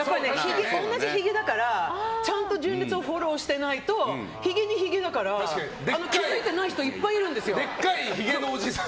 同じひげだから、ちゃんと純烈をフォローしてないとひげにひげだから気づいていない人いっぱいいるんですよ。